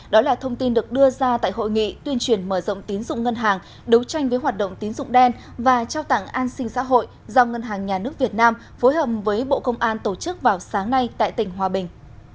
đó là thông tin được đưa ra tại hội nghị tuyên truyền mở rộng tín dụng ngân hàng đấu tranh với hoạt động tín dụng đen và trao tặng an sinh xã hội do ngân hàng nhà nước việt nam phối hợp với bộ công an tổ chức vào sáng nay tại tỉnh hòa bình